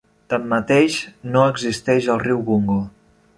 Tanmateix, no existeix el riu Bungo.